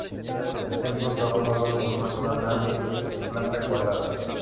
El templo está formado por una sola nave con planta cuadrada.